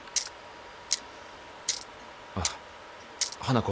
あっ花子